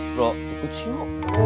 bro ikut sih lu